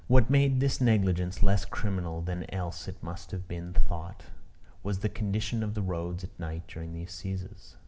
What made this negligence less criminal than else it must have been thought, was the condition of the roads at night during the assizes.